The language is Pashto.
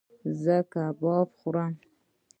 ایا زه کباب وخورم؟